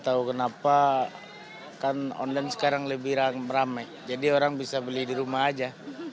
tahu kenapa kan online sekarang lebih ramai jadi orang bisa beli di rumah aja